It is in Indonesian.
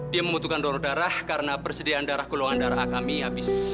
dia membutuhkan doro darah karena persediaan darah golongan darah kami habis